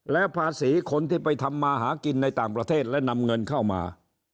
แล้วภาษีคนที่ไปทำมาหากินในต่างประเทศและนำเงินเข้ามา